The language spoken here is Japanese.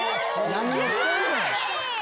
何をしとんねん。